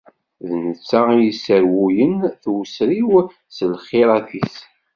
D netta i yesseṛwuyen tewser-iw s lxirat-is.